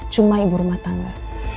cuma ibu rumah tangga